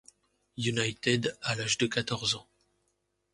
United à l'âge de quatorze ans.